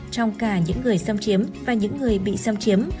trong cả những người xâm chiếm và những người bị xâm chiếm